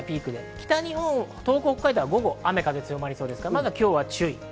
北日本、東北、北海道は午後、雨風強まりそうです。